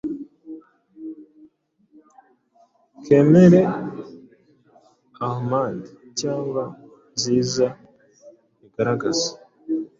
Kamere ahamd, cyangwa nziza kubigaragaza,